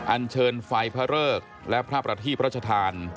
อันเชิญไฟพระเริกและพระประทีพระชธาน